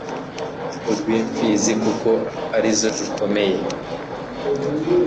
urw'imfizi kuko arizo zikomeye